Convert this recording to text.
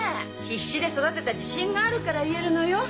必死で育てた自信があるから言えるのよ。